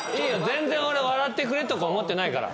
全然俺笑ってくれとか思ってないから。